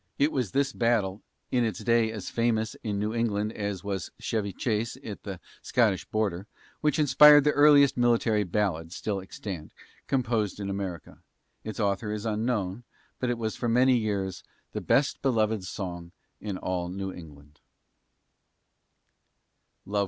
It was this battle, in its day "as famous in New England as was Chevy Chase on the Scottish border," which inspired the earliest military ballad, still extant, composed in America. Its author is unknown, but it was for many years "the best beloved song in all New England."